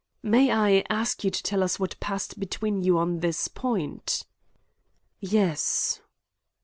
"May I ask you to tell us what passed between you on this point?" "Yes."